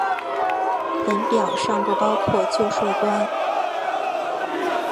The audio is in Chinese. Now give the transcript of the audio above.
本表尚不包括旧税关。